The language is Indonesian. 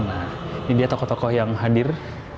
nah ini dia tokoh tokoh yang hadir